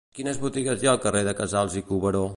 Quines botigues hi ha al carrer de Casals i Cuberó?